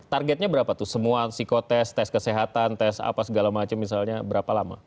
targetnya berapa tuh semua psikotest tes kesehatan tes apa segala macam misalnya berapa lama